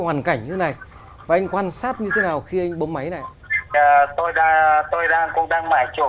hoàn cảnh như này và anh quan sát như thế nào khi anh bấm máy này tôi ra tôi đang cũng đang mải chụp